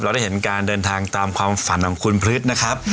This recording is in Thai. ได้เห็นการเดินทางตามความฝันของคุณพฤษนะครับ